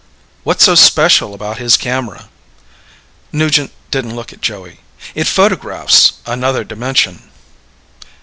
"What's so special about his camera?" Nugent didn't look at Joey. "It photographs another dimension."